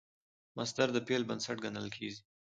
مصدر د فعل بنسټ ګڼل کېږي.